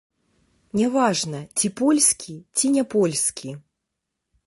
Не важна, ці польскі, ці не польскі.